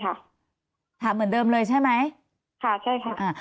ถามเหมือนเดิมเลยใช่ไหมค่ะใช่ค่ะอ่า